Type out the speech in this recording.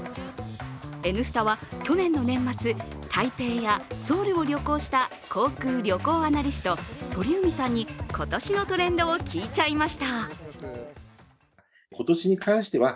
「Ｎスタ」は去年の年末台北やソウルを旅行した航空・旅行アナリスト、鳥海さんに今年のトレンドを聞いちゃいました。